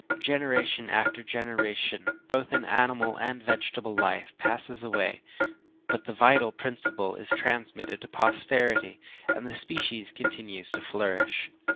Generation after generation, both in animal and vegetable life, passes away, but the vital principle is transmitted to posterity, and the species continue to flourish.